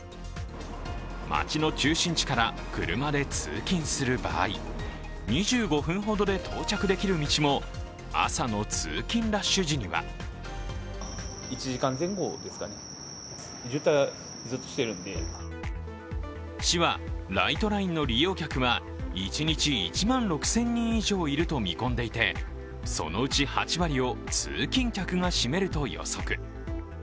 町の中心地から車で通勤する場合２５分ほどで到着できる道も朝の通勤ラッシュ時には市はライトラインの利用客は一日１万６０００人以上いると見込んでいてそのうち８割を通勤客が占めると予測。